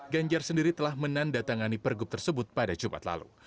ganjar sendiri telah menandatangani pergub tersebut pada jumat lalu